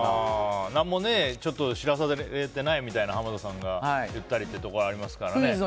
何も知らされてないみたいな浜田さんが言ったりってところもありますからね。